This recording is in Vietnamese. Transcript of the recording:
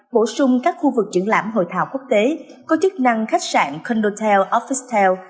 bổ sung các khu vực trưởng lãm hội thảo quốc tế có chức năng khách sạn condotel officetel